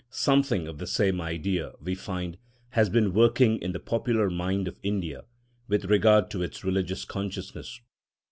Something of the same idea, we find, has been working in the popular mind of India, with regard to its religious consciousness.